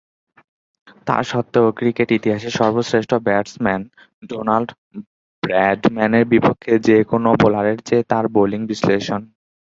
তাস্বত্ত্বেও cricket ইতিহাসের সর্বশ্রেষ্ঠ batsman Donald ব্র্যাডম্যানের বিপক্ষে যে-কোন বোলারের চেয়ে তার বোলিং বিশ্লেষণ শীর্ষে অবস্থান করেছে।